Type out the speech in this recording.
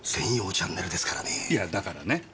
いやだからね。